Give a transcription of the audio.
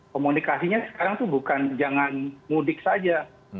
komunikasinya sekarang tuh bukan jangan mudik saja